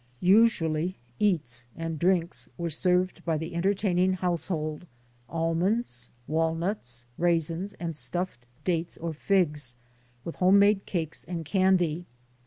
Usually "eats" and drinks were served by the entertaining household; almonds, walnuts, raisins and stuffed dates or figs, with home made cakes and candy.